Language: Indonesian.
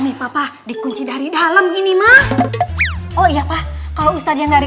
nih papa dikunci dari dalam gini mah oh iya pak kalau ustadz yang dari